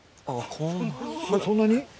そんなに？